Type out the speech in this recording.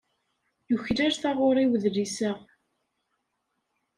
Yuklal taɣuṛi wedlis-a.